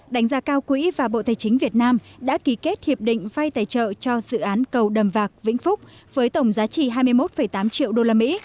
đánh giá cao quỹ và bộ tài chính việt nam đã ký kết hiệp định vai tài trợ cho dự án cầu đầm vạc vĩnh phúc với tổng giá trị hai mươi một tám triệu usd